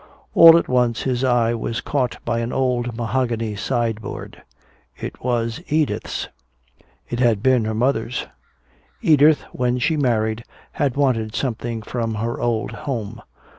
All at once his eye was caught by an old mahogany sideboard. It was Edith's. It had been her mother's. Edith, when she married, had wanted something from her old home.